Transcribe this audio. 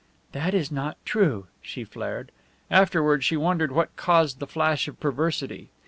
"That is not true!" she flared. Afterward she wondered what caused the flash of perversity.